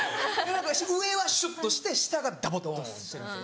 上はシュっとして下がダボっとしてるんです。